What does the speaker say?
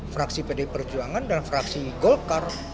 fraksi pd perjuangan dan fraksi golkar